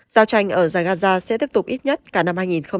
giao tranh ở giải gaza sẽ tiếp tục ít nhất cả năm hai nghìn hai mươi